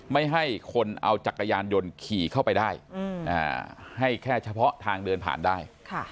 ไม่ให้คนเอาจักรยานยนต์ขี่เข้าไปได้ให้แค่เฉพาะทางเดินผ่านได้